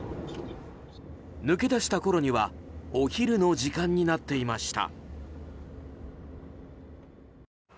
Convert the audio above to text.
抜け出したころにはお昼の時間になっていました。